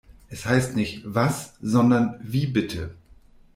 Es heißt nicht “Was“ sondern “Wie bitte“